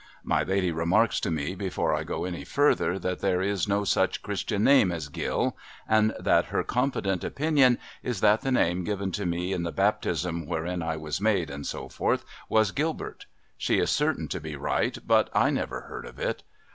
My lady remarks to me, before I go any further, that there is no such christian name as Gill, and that her confident opinion is, that the name given to me in the baptism wherein I was made, &c., was Gilbert. She is certain to be right, but I never heard of it.